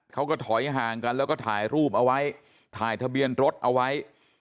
เขาก็ถอยห่างกันแล้วก็ถ่ายรูปเอาไว้ถ่ายทะเบียนรถเอาไว้